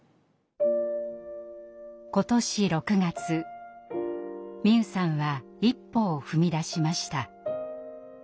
今年６月美夢さんは一歩を踏み出しました。